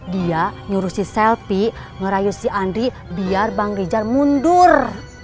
dia nyuruh si selpy ngerayu si andri biar bang rijal mundur